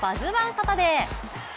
サタデー。